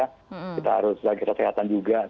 kita harus lagi kesehatan juga